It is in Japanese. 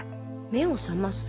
目を覚ます？